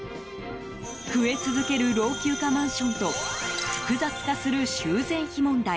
増え続ける老朽化マンションと複雑化する修繕費問題。